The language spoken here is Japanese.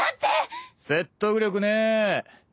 説得力ねぇ。